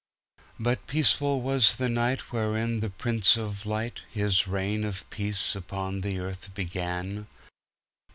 But peaceful was the nightWherein the Prince of LightHis reign of peace upon the earth began.